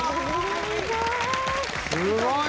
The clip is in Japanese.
すごい！